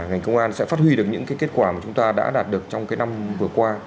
ngành công an sẽ phát huy được những kết quả mà chúng ta đã đạt được trong năm vừa qua